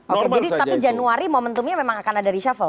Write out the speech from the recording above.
oke jadi tapi januari momentumnya memang akan ada reshuffle